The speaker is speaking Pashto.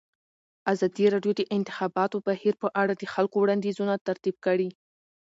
ازادي راډیو د د انتخاباتو بهیر په اړه د خلکو وړاندیزونه ترتیب کړي.